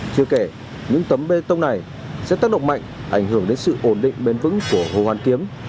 chưa kể những tấm bê tông này sẽ tác động mạnh ảnh hưởng đến sự ổn định bền vững của hồ hoàn kiếm